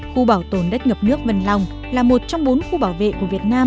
khu bảo tồn đất ngập nước vân long là một trong bốn khu bảo vệ của việt nam